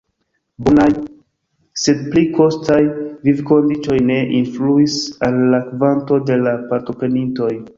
Bonaj, sed pli kostaj, vivkondiĉoj ne influis al la kvanto de la partoprenintoj.